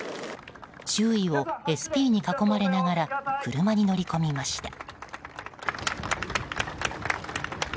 周囲をＳＰに囲まれながら車に乗り込みました。